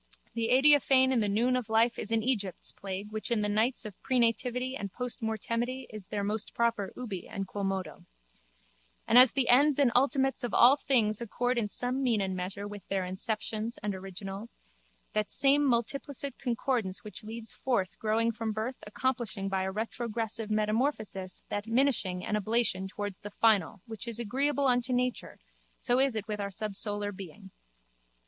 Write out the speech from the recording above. The adiaphane in the noon of life is an Egypt's plague which in the nights of prenativity and postmortemity is their most proper ubi and quomodo. And as the ends and ultimates of all things accord in some mean and measure with their inceptions and originals, that same multiplicit concordance which leads forth growth from birth accomplishing by a retrogressive metamorphosis that minishing and ablation towards the final which is agreeable unto nature so is it with our subsolar being.